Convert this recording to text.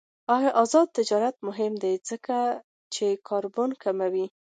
آزاد تجارت مهم دی ځکه چې کاربن کموي.